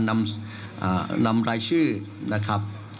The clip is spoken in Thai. คุณหมอชนหน้าเนี่ยคุณหมอชนหน้าเนี่ย